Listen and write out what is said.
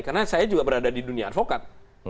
karena saya juga berada di dunia advokat